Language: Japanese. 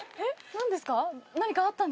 何ですか？